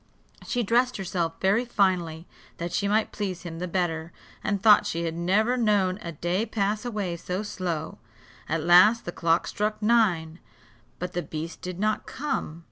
She dressed herself very finely, that she might please him the better, and thought she had never known a day pass away so slow. At last the clock struck nine, but the beast did not come.